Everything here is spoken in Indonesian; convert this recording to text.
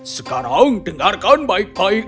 sekarang dengarkan baik baikannya